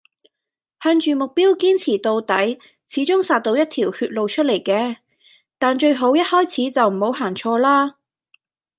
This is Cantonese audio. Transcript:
向住目標堅持到底，始終殺到一條血路出黎嘅，但最好一開始就唔好行錯啦